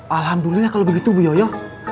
alhamdulillah kalau begitu bioyo